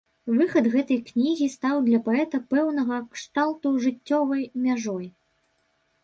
Выхад гэтай кнігі стаў для паэта пэўнага кшталту жыццёвай мяжой.